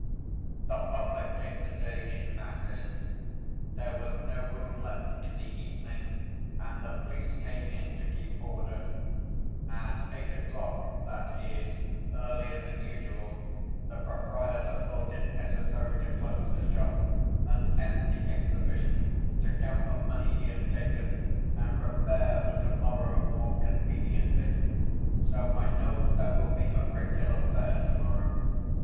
"The public came to day in masses. There was no room left in the evening, and the police came in to keep order. At eight o'clock, that is, earlier than usual, the proprietor thought it necessary to close the shop and end the exhibition to count the money he had taken and prepare for to morrow more conveniently. So I know there will be a regular fair to morrow.